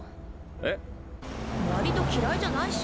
わりと嫌いじゃないし？